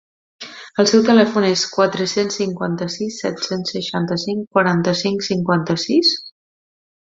El seu telèfon és quatre-cents cinquanta-sis set-cents seixanta-cinc quaranta-cinc cinquanta-sis?